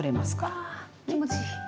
わあ気持ちいい。